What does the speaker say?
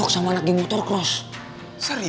kenapa mau dari tadi bilangnya beli